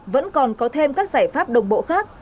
vẫn còn có thêm các giải pháp đồng bộ khác